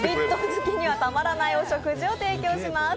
好きにはたまらないお食事を提供します。